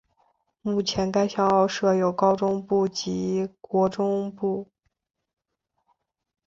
目前该校设有高中部及国中部。